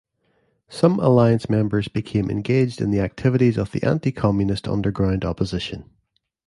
Some Alliance members became engaged in the activities of the anti-Communist underground opposition.